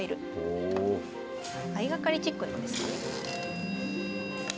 相掛かりチックなんですかね。